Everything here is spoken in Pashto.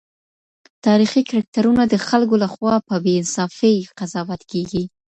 تاریخي کرکټرونه د خلګو له خوا په بې انصافۍ قضاوت کيږي.